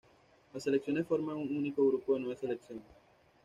Las selecciones forman un único grupo de nueves selecciones.